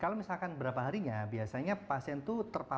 kalau misalkan berapa harinya biasanya pasien itu terpapar